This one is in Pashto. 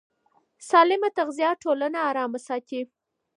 سالمه تغذیه ټولنه ارامه ساتي.